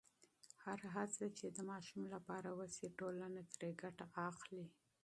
هره هڅه چې د ماشوم لپاره وشي، ټولنه ترې ګټه اخلي.